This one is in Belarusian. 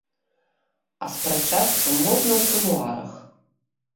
А спрачацца можна ў кулуарах.